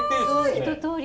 一とおり